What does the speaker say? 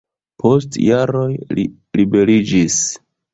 Post jaroj li liberiĝis.